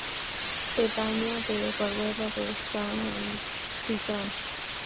Pedanía de Barruelo de Santullán.